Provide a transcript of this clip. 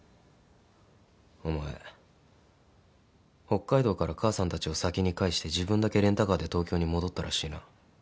北海道から母さんたちを先に帰して自分だけレンタカーで東京に戻ったらしいな。